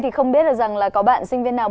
thì không biết được rằng là có bạn sinh viên nào